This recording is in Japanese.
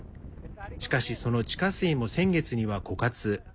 しかし、その地下水も先月には枯渇。